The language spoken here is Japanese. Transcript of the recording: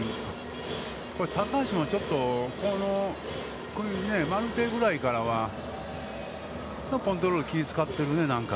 これ高橋もちょっとマルテぐらいからは、コントロールに気を遣っているね、何か。